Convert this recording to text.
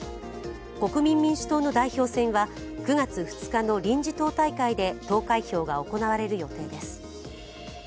国民民主党の代表選は９月２日の臨時党大会で投開票が行われる予定です。